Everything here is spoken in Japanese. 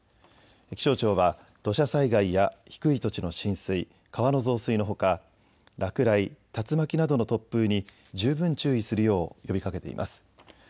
気象庁は土砂災害や低い土地の浸水、川の増水のほか落雷、竜巻などの突風に十分注意するよう呼びかけています。